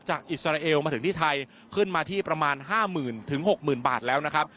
อิสราเอลมาถึงที่ไทยขึ้นมาที่ประมาณ๕๐๐๐๖๐๐๐บาทแล้วนะครับ